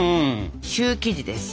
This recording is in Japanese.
シュー生地です。